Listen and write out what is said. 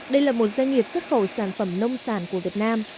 đây là một doanh nghiệp xuất khẩu sản phẩm nông sản của việt nam